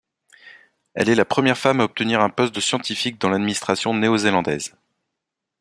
Elle est la première femme à obtenir un poste de scientifique dans l'administration néo-zélandaise.